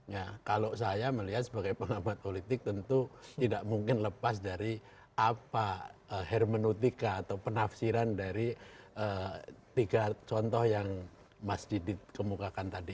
ya kalau saya melihat sebagai pengamat politik tentu tidak mungkin lepas dari apa hermenotika atau penafsiran dari tiga contoh yang mas didit kemukakan tadi